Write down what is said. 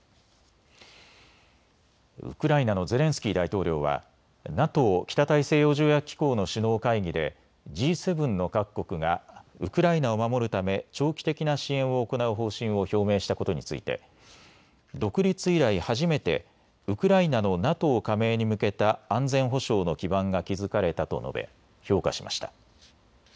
ウクライナのゼレンスキー大統領はＮＡＴＯ・北大西洋条約機構の首脳会議でＧ７の各国がウクライナを守るため長期的な支援を行う方針を表明したことについて独立以来初めてウクライナのＮＡＴＯ加盟に向けた安全保障の基盤が築かれたと述べ評価しました。